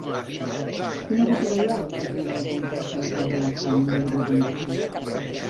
Quina botiga hi ha al carrer de la Comtessa de Pardo Bazán número vuitanta-sis?